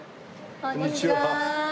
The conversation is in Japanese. こんにちは。